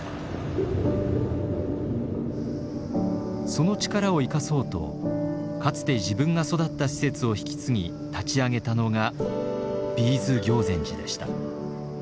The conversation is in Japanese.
その力を生かそうとかつて自分が育った施設を引き継ぎ立ち上げたのがＢ’ｓ行善寺でした。